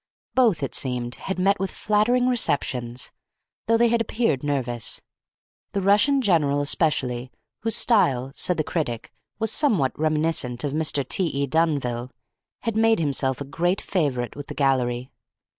Both, it seemed, had met with flattering receptions, though they had appeared nervous. The Russian general especially, whose style, said the critic, was somewhat reminiscent of Mr. T. E. Dunville, had made himself a great favourite with the gallery.